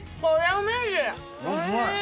おいしい！